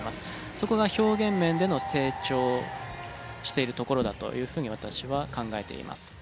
そこが表現面での成長しているところだという風に私は考えています。